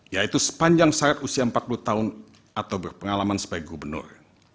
yaitu sepanjang syarat usia empat puluh tahun atau berpengalaman sebagai gubernur